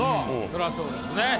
そらそうですね。